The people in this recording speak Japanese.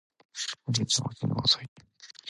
おじいちゃんは起きるのが遅い